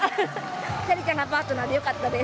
さりちゃんがパートナーでよかったです。